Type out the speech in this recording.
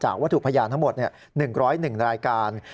วัตถุพยานทั้งหมด๑๐๑รายการ